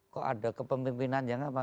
kok ada kepemimpinan yang apa